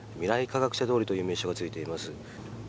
科学者通りという名称がついています。